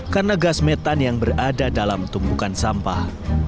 karena gas metan yang berada dalam tumbukan sampah